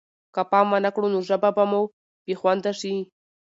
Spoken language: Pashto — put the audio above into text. که پام ونه کړو نو ژبه به مو بې خونده شي.